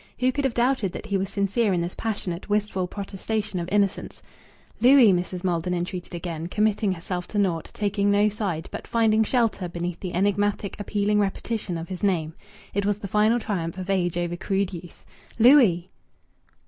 Who could have doubted that he was sincere in this passionate, wistful protestation of innocence? "Louis!" Mrs. Maldon entreated again, committing herself to naught, taking no side, but finding shelter beneath the enigmatic, appealing repetition of his name. It was the final triumph of age over crude youth. "Louis!"